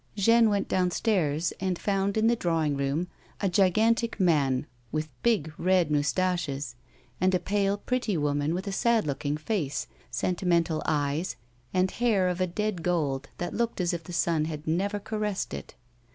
Jeanne went downstairs and found in the drawing room a gigantic man with big, red moustaches, and a pale, pretty woman with a sad looking face, sentimental eyes and hair of a dead gold that looked as if the sun had never caressed it.